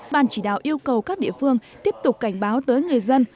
ban chỉ đạo yêu cầu các địa phương tiếp tục cảnh báo tới người dân